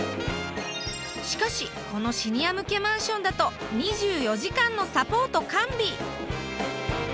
しかしこのシニア向けマンションだと２４時間のサポート完備！